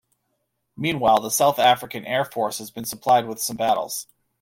Meanwhile, the South African Air Force had been supplied with some Battles.